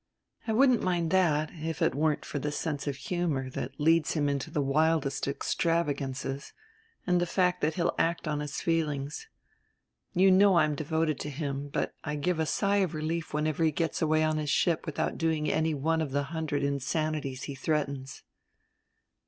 "I wouldn't mind that if it weren't for the sense of humor that leads him into the wildest extravagances, and the fact that he'll act on his feelings. You know I'm devoted to him but I give a sigh of relief whenever he gets away on his ship without doing any one of the hundred insanities he threatens."